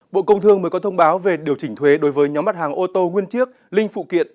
bộ công thương mới có thông báo về điều chỉnh thuế đối với nhóm mặt hàng ô tô nguyên chiếc linh phụ kiện